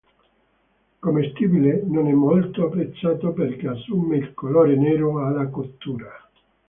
Commestibile, non è molto apprezzato perché assume il colore nero alla cottura.